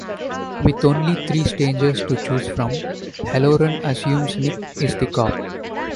With only three strangers to choose from, Halloran assumes Nick is the cop.